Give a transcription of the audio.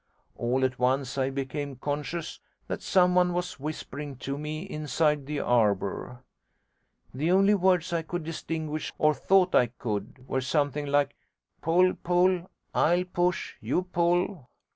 All at once I became conscious that someone was whispering to me inside the arbour. The only words I could distinguish, or thought I could, were something like "Pull, pull. I'll push, you pull."